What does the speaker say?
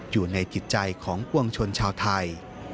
อยู่ในจิตใจของปวงชนชาวไทย